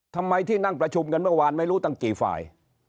ทำไมที่นั่งประชุมกันเมื่อวานไม่รู้ตั้งกี่ฝ่าย